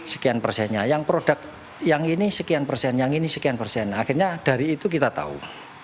sekian persennya yang produk yang ini sekian persen yang ini sekian persen akhirnya dari itu kita tahu